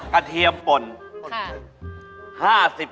กระเทียมปนใช่